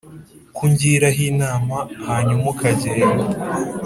ko ungiraho inama hanyuma ukagenda"